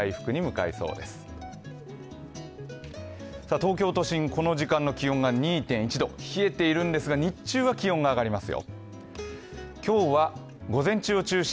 東京都心、この時間の気温が２．１度、冷えているんですが、日中は気温が上がりますよ。